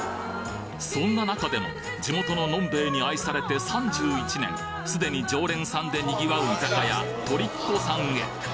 そんな中でも地元の飲兵衛に愛されて３１年すでに常連さんで賑わう居酒屋とりっこさんへ。